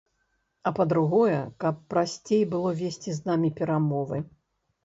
А па-другое, каб прасцей было весці з намі перамовы.